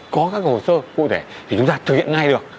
có các hồ sơ cụ thể thì chúng ta thực hiện ngay được